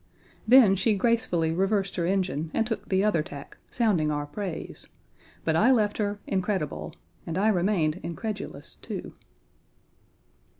Then she gracefully reversed her engine, and took the other tack, sounding our praise, but I left her incredible and I remained incredulous, too.